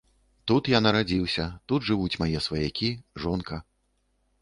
Тут я нарадзіўся, тут жывуць мае сваякі, жонка.